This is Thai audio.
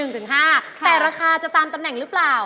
แต่ราคาจะตามตำแหน่งหรือเปล่า